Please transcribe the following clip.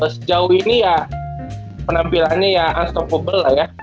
sejauh ini ya penampilannya ya ustoppeble lah ya